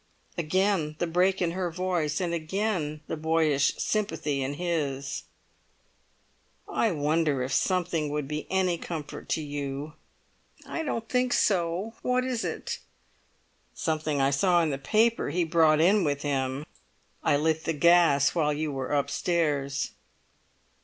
Again the break in her voice, and again the boyish sympathy in his. "I wonder if something would be any comfort to you?" "I don't think so. What is it?" "Something I saw in the paper he brought in with him. I lit the gas while you were upstairs."